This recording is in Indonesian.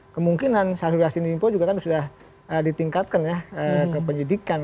kemungkinan salurasi menkominfo juga kan sudah ditingkatkan ya ke penyidikan